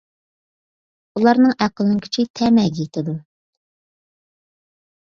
ئۇلارنىڭ ئەقلىنىڭ كۈچى تەمەگە يېتىدۇ.